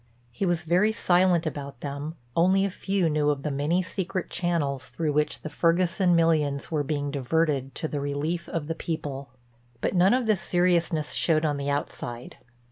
He was very silent about them, only a few knew of the many secret channels through which the Ferguson millions were being diverted to the relief of the people. But none of this seriousness showed on the outside.